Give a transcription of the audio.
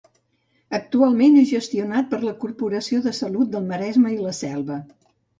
Actualment és gestionat per la Corporació de Salut del Maresme i la Selva.